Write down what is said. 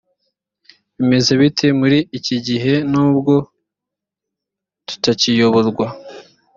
bimeze bite muri iki gihe nubwo tutakiyoborwa